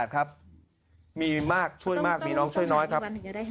ครับมีมากช่วยมากมีน้องช่วยน้อยครับ